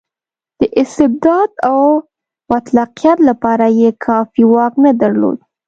د استبداد او مطلقیت لپاره یې کافي واک نه درلود.